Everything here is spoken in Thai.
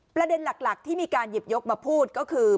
ประเด็นหลักที่มีการหยิบยกมาพูดก็คือ